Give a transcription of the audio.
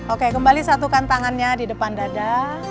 oke kembali satukan tangannya di depan dada